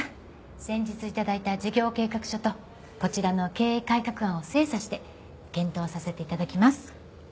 先日頂いた事業計画書とこちらの経営改革案を精査して検討させて頂きます。